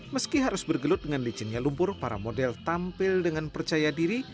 meski harus bergelut dengan licinnya lumpur para model tampil dengan percaya diri